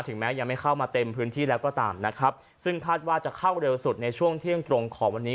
แม้ยังไม่เข้ามาเต็มพื้นที่แล้วก็ตามนะครับซึ่งคาดว่าจะเข้าเร็วสุดในช่วงเที่ยงตรงของวันนี้